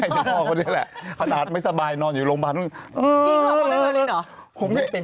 คุณพ่อคนนี้แหละขนาดไม่สบายนอนอยู่โรงพยาบาลนู้น